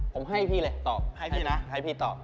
ผมให้พี่เลยตอบ